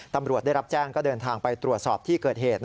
ตำรวจได้รับแจ้งก็เดินทางไปตรวจสอบที่เกิดเหตุ